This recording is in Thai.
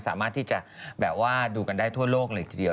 สามารถที่จะแบบว่าดูกันได้ทั่วโลกเลยทีเดียว